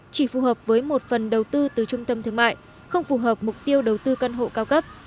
chỉ phù hợp với một phần đầu tư từ trung tâm thương mại không phù hợp mục tiêu đầu tư căn hộ cao cấp